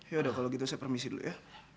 yaudah kalau gitu saya permisi dulu ya